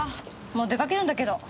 もう出かけるんだけど。